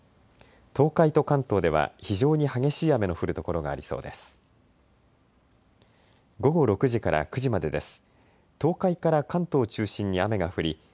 東海と関東では非常に激しい雨の降る所がありそうです。